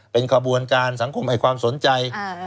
เป็นขบวนการสังคมให้ความสนใจ